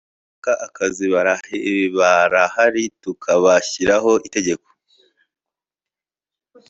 aho kuvuga ngo abantu bashaka akazi barahari tukabashyiraho itegeko